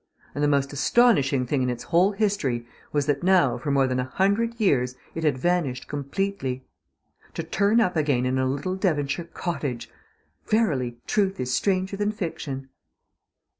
And the most astonishing thing in its whole history was that now for more than a hundred years it had vanished completely. To turn up again in a little Devonshire cottage! Verily, truth is stranger than fiction.